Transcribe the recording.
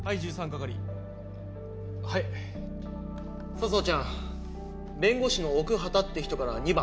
佐相ちゃん弁護士の奥畑って人から２番。